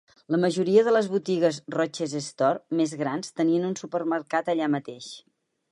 La majoria de les botigues Roches Stores més grans tenien un supermercat allà mateix.